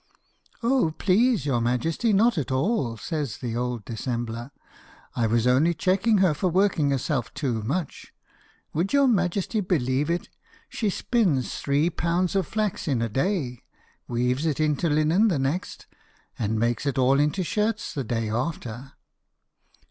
"Oh, please your Majesty, not at all," says the old dissembler. "I was only checking her for working herself too much. Would your majesty believe it? She spins three pounds of flax in a day, weaves it into linen the next, and makes it all into shirts the day after."